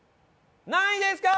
何位ですか？